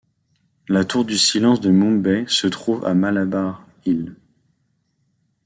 La tour du silence de Mumbai se trouve à Malabar Hill.